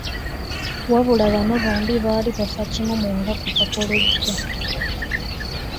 Wabula bano bombi baali bafa kimu muwala kuva ku luggya.